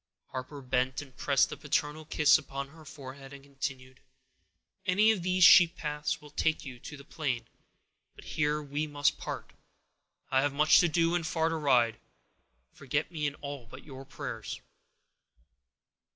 Harper bent and pressed a paternal kiss upon her forehead, and continued: "Any of these sheep paths will take you to the plain; but here we must part—I have much to do and far to ride; forget me in all but your prayers."